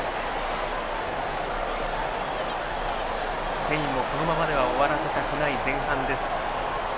スペインもこのままでは終わらせたくない前半です。